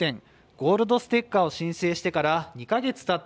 ゴールドステッカーを申請してから２か月たった